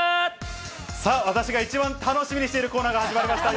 さあ、私が一番楽しみにしているコーナーが始まりました。